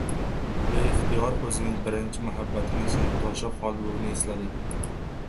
Beixtiyor o‘zining birinchi muhabbatini — sinfdoshi Xolbuvini esladi…